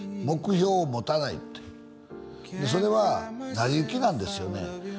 目標を持たないってそれは成り行きなんですよね